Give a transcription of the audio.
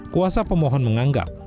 kuasa pemohon menganggap